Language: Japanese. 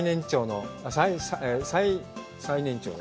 最年長の。